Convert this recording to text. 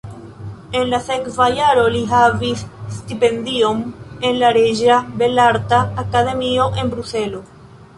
En la sekva jaro li havis stipendion en la reĝa belarta akademio en Bruselo.